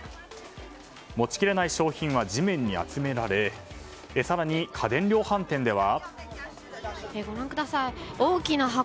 持ちきれない商品は地面に集められ、更に家電量販店では。